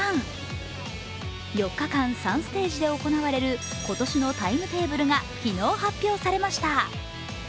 ４日間、３ステージで行われる今年のタイムテーブルが昨日発表されました。